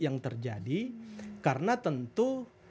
yang terjadi karena tentu